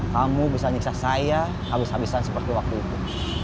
kamu bisa nyiksa saya habis habisan seperti waktu itu